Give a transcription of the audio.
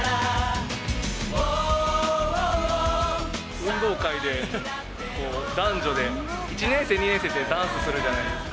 運動会で男女で、１年生、２年生ってダンスするじゃないですか。